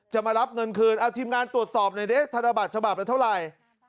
มารับเงินคืนเอาทีมงานตรวจสอบหน่อยดิธนบัตรฉบับละเท่าไหร่